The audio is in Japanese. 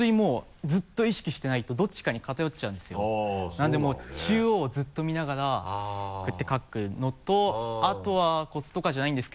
なのでもう中央をずっと見ながらこうやって書くのとあとはコツとかじゃないんですけど。